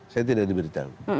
saya tidak diberitahu